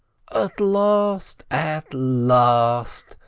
"At last, at last